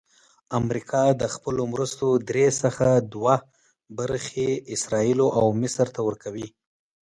امریکا د خپلو مرستو درې څخه دوه برخې اسراییلو او مصر ته ورکوي.